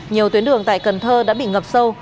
nhiều tuyến đường tại cần thơ đã bị ngập sâu